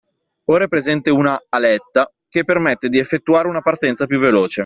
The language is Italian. Ora è presente una “aletta” che permette di effettuare una partenza più veloce